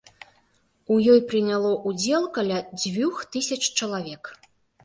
У ёй прыняло ўдзел каля дзвюх тысяч чалавек.